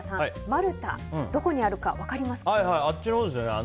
マルタってどこにあるか分かりますか？